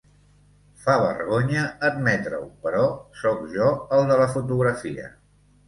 Fa vergonya admetre-ho, però soc jo el de la fotografia.